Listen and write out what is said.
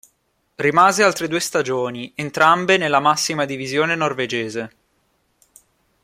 Rimase altre due stagioni, entrambe nella massima divisione norvegese.